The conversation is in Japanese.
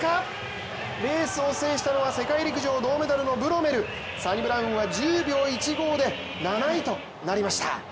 レースを制したのは世界陸上銅メダルのブロメルサニブラウンは１０秒１５で７位となりました。